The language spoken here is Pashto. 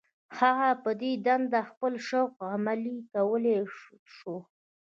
هغه په دې دنده خپل شوق عملي کولای شو.